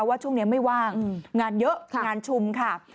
ว่าช่วงนี้ไม่ว่างงานเยอะงานชุมค่ะ